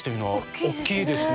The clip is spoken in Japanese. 大きいですね。